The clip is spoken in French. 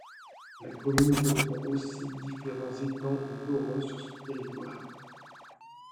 La commune comprend aussi différents étangs et torrents sur son territoire.